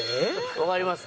わかります？